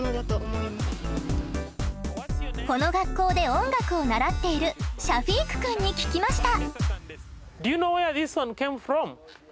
この学校で音楽を習っているシャフィークくんに聞きました。